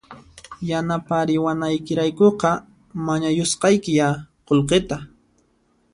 Yanapariwanaykiraykuqa mañayusqaykiya qullqita